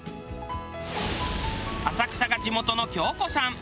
浅草が地元の京子さん。